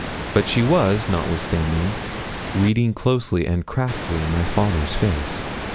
But she was, notwithstanding, reading closely and craftily my father's face.